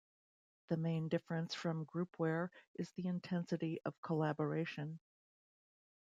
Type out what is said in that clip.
The main difference from groupware is the intensity of collaboration.